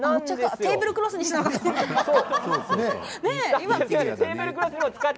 テーブルクロスにしたのかと思った。